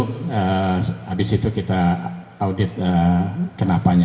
habis itu kita audit kenapanya